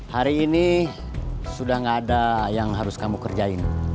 hari ini sudah gak ada yang harus kamu kerjain